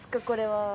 これは。